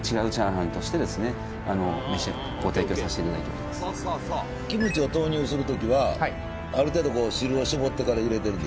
やはりまたキムチを投入する時はある程度こう汁を絞ってから入れてるんです？